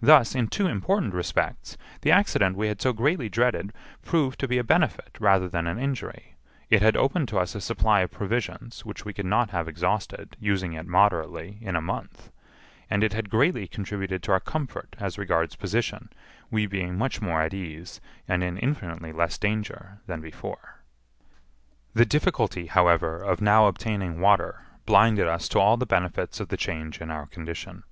Thus, in two important respects, the accident we had so greatly dreaded proved to be a benefit rather than an injury; it had opened to us a supply of provisions which we could not have exhausted, using it moderately, in a month; and it had greatly contributed to our comfort as regards position, we being much more at ease, and in infinitely less danger, than before. The difficulty, however, of now obtaining water blinded us to all the benefits of the change in our condition.